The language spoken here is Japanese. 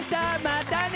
またね！